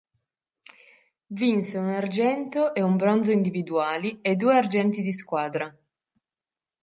Vinse un argento e un bronzo individuali e due argenti di squadra.